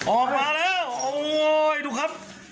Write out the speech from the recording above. ออกมาแล้วโอ้ยดูครับ